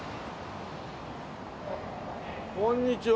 こんにちは。